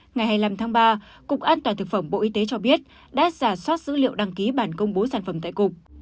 ngày hai mươi năm tháng ba cục an toàn thực phẩm bộ y tế cho biết đã giả soát dữ liệu đăng ký bản công bố sản phẩm tại cục